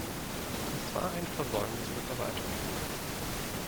Es war ein Versäumnis der Verwaltung.